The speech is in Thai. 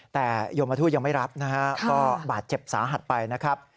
แต่โยมทูตยังไม่รับนะฮะก็บาดเจ็บสาหัสไปนะครับ